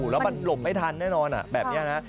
แล้วมันหลบไม่ทันแน่นอนแบบนี้นะ